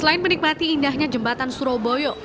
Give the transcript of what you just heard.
selain menikmati indahnya jembatan surabaya